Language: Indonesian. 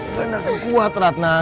saya gak akan kuat ratna